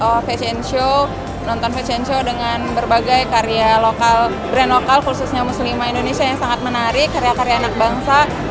oh fashion show nonton fashion show dengan berbagai karya lokal brand lokal khususnya muslimah indonesia yang sangat menarik karya karya anak bangsa